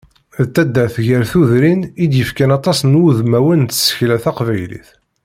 D taddart gar tudrin, i d-yefkan aṭas n wudmawen n tsekla taqbaylit.